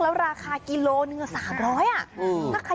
แล้วราคากิโล๓๐๐บาท